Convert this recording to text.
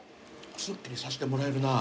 すっきりさせてもらえるな。